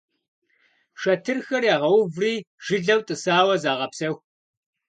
Шэтырхэр ягъэуври жылэу тӀысауэ загъэпсэху.